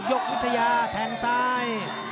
กวิทยาแทงซ้าย